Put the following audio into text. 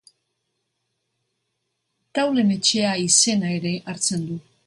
Taulen Etxea izena ere hartzen du.